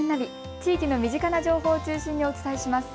地域の身近な情報を中心にお伝えします。